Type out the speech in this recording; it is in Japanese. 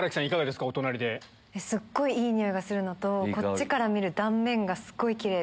すっごいいい匂いがするのとこっちから見る断面がすごいキレイ。